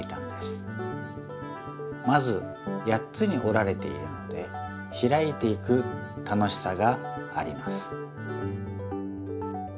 まず８つにおられているのでひらいていく楽しさがあります。